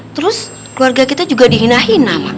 terus keluarga kita juga dihinah hinah mak